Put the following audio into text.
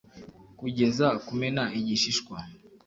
Kugeza kumena igishishwa